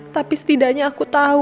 tapi setidaknya aku tau